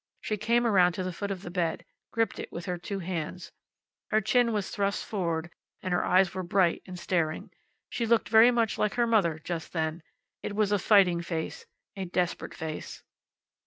She came around to the foot of the bed, and gripped it with her two hands. Her chin was thrust forward, and her eyes were bright and staring. She looked very much like her mother, just then. It was a fighting face. A desperate face.